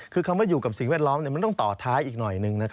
คือคำว่าอยู่กับสิ่งแวดล้อมมันต้องต่อท้ายอีกหน่อยหนึ่ง